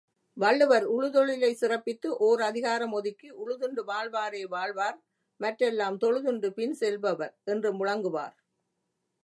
வள்ளுவர் உழுதொழிலைச் சிறப்பித்து ஓரதிகாரம் ஒதுக்கி, உழுதுண்டு வாழ்வாரே வாழ்வார், மற்றெல்லாம் தொழுதுண்டு பின் செல்பவர் என்று முழங்குவார்.